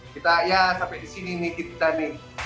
kita ya sampai disini nih kita nih